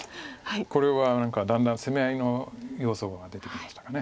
これはだんだん攻め合いの様相が出てきましたか。